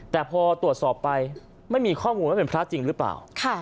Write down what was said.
แต่พอตรวจสอบไปไม่มีข้อมูลว่าเป็นพระจริงหรือเปล่า